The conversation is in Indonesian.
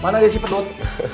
mana ada si pedut